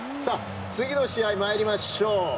次の試合まいりましょう。